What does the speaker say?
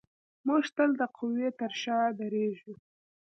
موږ تل د قوي تر شا درېږو.